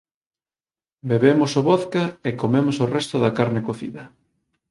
Bebemos o vodka e comemos os restos da carne cocida.